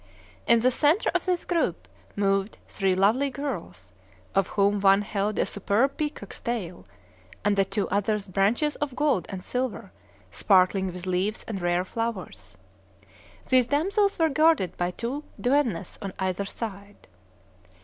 In the centre of this group moved three lovely girls, of whom one held a superb peacock's tail, and the two others branches of gold and silver, sparkling with leaves and rare flowers. These damsels were guarded by two duennas on either side.